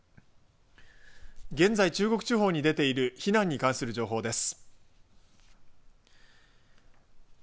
現在、中国地方に出ている避難に関する情報です。